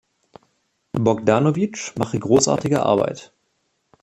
Bogdanovich mache „großartige Arbeit“.